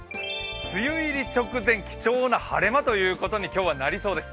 梅雨入り直前、貴重な晴れ間ということになりそうです。